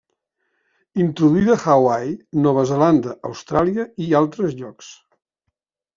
Introduïda a Hawaii, Nova Zelanda, Austràlia i altres llocs.